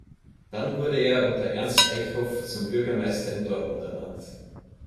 Dann wurde er unter Ernst Eichhoff zum Bürgermeister in Dortmund ernannt.